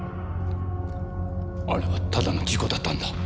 あれはただの事故だったんだ。